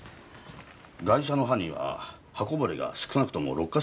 ガイシャの刃には刃こぼれが少なくとも６か所あります。